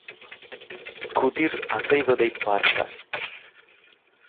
குதிர் அசைவதைப் பார்த்தார்.